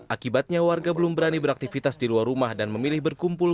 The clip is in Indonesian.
akibatnya warga belum berani beraktivitas di luar rumah dan memilih berkumpul